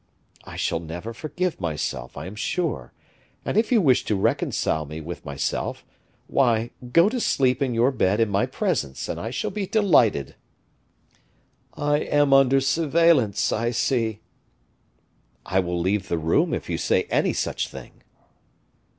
"I shall never forgive myself, I am sure; and if you wish to reconcile me with myself, why, go to sleep in your bed in my presence; and I shall be delighted." "I am under surveillance, I see." "I will leave the room if you say any such thing."